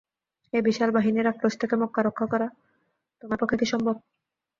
এ বিশাল বাহিনীর আক্রোশ থেকে মক্কা রক্ষা করা তোমার পক্ষে কি সম্ভব?